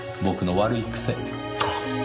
僕の悪い癖。